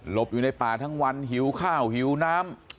อยู่ในป่าทั้งวันหิวข้าวหิวน้ำ